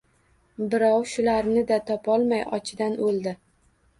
Birov shularni-da topolmay — ochidan o‘ldi!